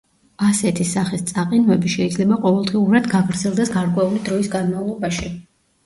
ასეთი სახის წაყინვები შეიძლება ყოველდღიურად გაგრძელდეს გარკვეული დროის განმავლობაში.